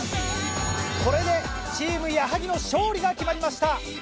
これでチーム矢作の勝利が決まりました。